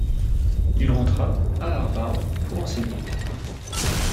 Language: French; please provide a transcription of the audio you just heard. Il rentra à Harvard pour enseigner.